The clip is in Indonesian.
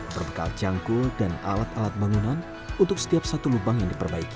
berbekal cangkul dan alat alat bangunan untuk setiap satu lubang yang diperbaiki